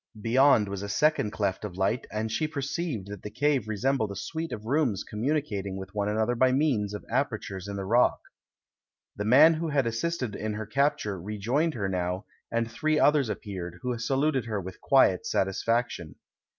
Beyond was a second cleft of light, and she perceived that the cave resem bled a suite of rooms communicating with one another by means of apertures in the rock. The man who had assisted in her capture rejoined her now, and three others appeared, who saluted her with quiet satisfaction.